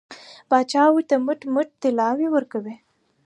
پاچا ورته موټ موټ طلاوې ورکوي.